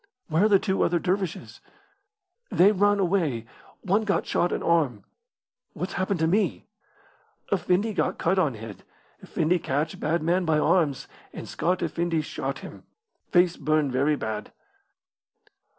"Where are the two other dervishes?" "They ran away. One got shot in arm." "What's happened to me?" "Effendi got cut on head. Effendi catch bad man by arms, and Scott effendi shot him. Face burn very bad."